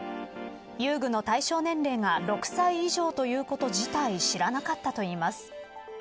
遊具の対象年齢が６歳以上ということ自体知らなかったといいます。